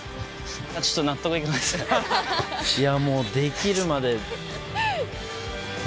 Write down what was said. いやもうできるまで。